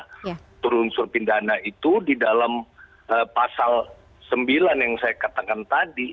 karena unsur unsur pidana itu di dalam pasal sembilan yang saya katakan tadi